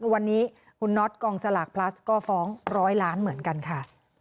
วันนี้คุณน็อตกองสลากพลัสก็ฟ้องร้อยล้านเหมือนกันค่ะ